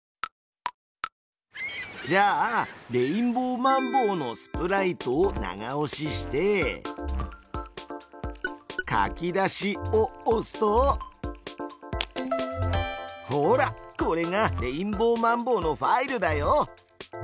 じゃあレインボーマンボウのスプライトを長押しして「書き出し」を押すとほらこれがレインボーマンボウのファイルだよ！